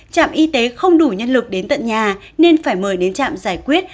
trạm y tế không đủ nhân lực đến tận nhà nên phải mời đến trạm giải quyết